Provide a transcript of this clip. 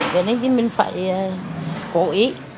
vậy nên mình phải cố ý